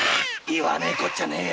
言わねぇこっちゃねぇ。